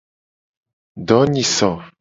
Donyiso.